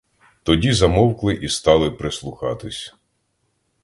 Тоді замовкли і стали прислухатись.